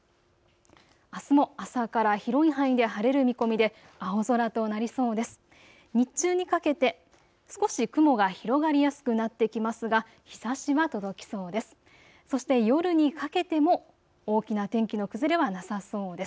あすも朝から広い範囲で晴れる見込みで青空となりそうです。